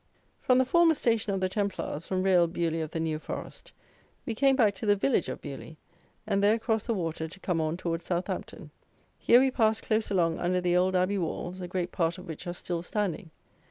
From the former station of the Templars, from real Beaulieu of the New Forest, we came back to the village of Beaulieu, and there crossed the water to come on towards Southampton. Here we passed close along under the old abbey walls, a great part of which are still standing.